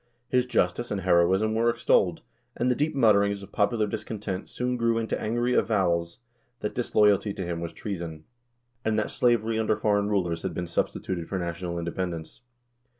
His justice and heroism were extolled, and the deep mutterings of popular discontent soon grew into angry avowals that disloyalty to him was treason, and that slavery under foreign rulers had been substituted for national independence.